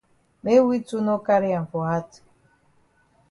Make we too no carry am for hat.